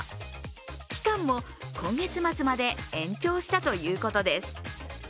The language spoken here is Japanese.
期間も今月末まで延長したということです。